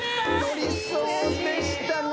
載りそうでしたが。